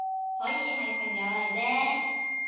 可以係朋友嚟啫